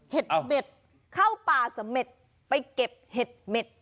เห็ดเม็ดเข้าป่าเสม็ดไปเก็บเห็ดเม็ด